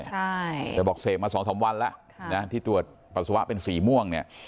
ใช่เดี๋ยวบอกเสพมาสองสามวันละนะที่ทรวดภาษาภาคเป็นสรุปสีนั้น